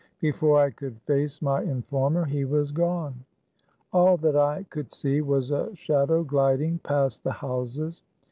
Before I could face my in former, he was gone. All that I could see was a shadow gliding past the houses.